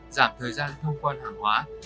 giảm thời gian thông quan hàng hóa